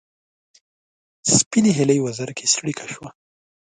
سپینې هیلۍ وزر کې څړیکه شوه